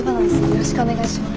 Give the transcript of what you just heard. よろしくお願いします。